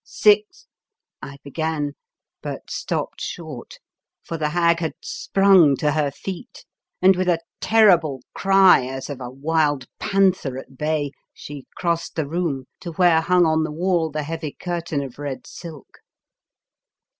"Six "I began, but stopped short, for the hag had sprung to her feet, and with a terrible cry as of a wild panther at bay, she crossed the room to where hung on the wall the heavy curtain of red silk.